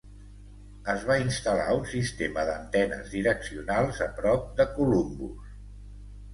Es va instal·lar un sistema d'antenes direccionals a prop de Columbus.